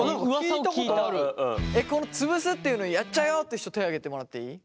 この潰すっていうのをやっちゃうよって人手挙げてもらっていい？